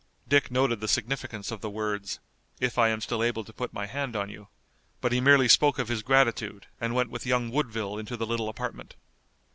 Dick noted the significance of the words, "if I am still able to put my hand on you," but he merely spoke of his gratitude and went with young Woodville into the little apartment.